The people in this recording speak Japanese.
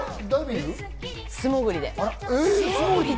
素潜りで。